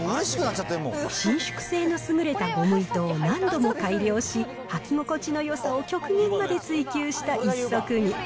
伸縮性の優れたゴム糸を何度も改良し、履き心地のよさを極限まで追求した１足に。